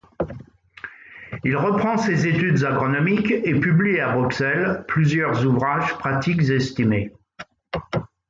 Il reprend ses études agronomiques et publie à Bruxelles plusieurs ouvrages pratiques estimés.